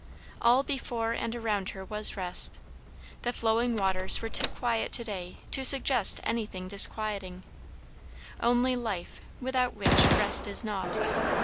All before and around her was rest; the flowing waters were too quiet to day to suggest anything disquieting; only life, without which rest is nought.